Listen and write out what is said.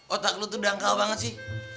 otak lu tuh dangkal banget sih